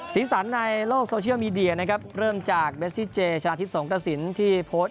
ศีรษรในโลกโซเชียลมีเดียนะครับเริ่มจากเบสซิเจชาธิสงศ์กระสินที่โพสต์